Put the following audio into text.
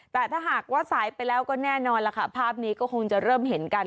แต่ถ้าหากว่าสายไปแล้วก็แน่นอนล่ะค่ะภาพนี้ก็คงจะเริ่มเห็นกัน